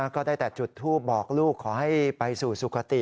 ก็ได้แต่จุดทูปบอกลูกขอให้ไปสู่สุขติ